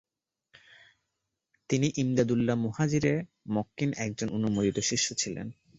তিনি ইমদাদুল্লাহ মুহাজিরে মক্কির একজন অনুমোদিত শিষ্য ছিলেন।